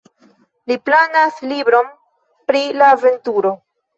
Li planas libron pri la aventuro.